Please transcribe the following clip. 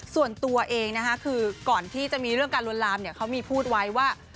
ส่วนตัวเองนะคะคือก่อนที่จะมีเรื่องการลวนลามเนี่ยเขามีพูดไว้ว่า